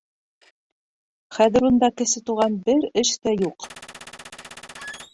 Хәҙер унда, Кесе Туған, бер эш тә юҡ.